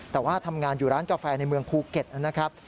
แต่ว่าทำงานอยู่ร้านกาแฟในเมืองภูเก็ตนะครับ